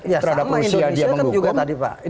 ya sama indonesia kan juga tadi pak